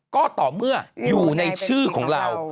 ก็ต่อเมื่ออยู่ในชื่อของเรา